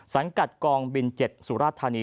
สังกัดกองบิน๗สุราธานี